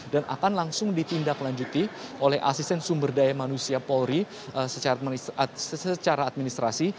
dan akan langsung ditindak lanjuti oleh asisten sumber daya manusia polri secara administrasi